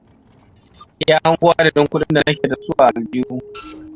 Ya hango adadin kudin da nake dasu a aljihu.